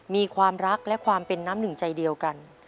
มีความรักและความเป็นน้ำหนึ่งใจเดียวกัน